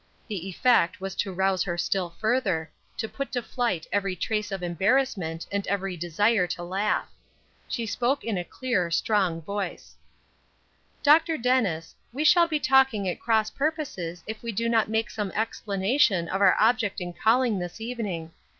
The effect was to rouse her still further, to put to flight every trace of embarrassment and every desire to laugh. She spoke in a clear, strong voice: "Dr. Dennis, we shall be talking at cross purposes if we do not make some explanation of our object in calling this evening.